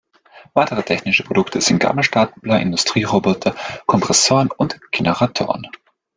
Weitere technische Produkte sind Gabelstapler, Industrieroboter, Kompressoren und Generatoren.